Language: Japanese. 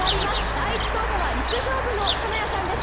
第１走者は陸上部の金谷さんです。